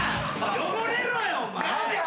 汚れろよお前！